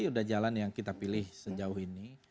sudah jalan yang kita pilih sejauh ini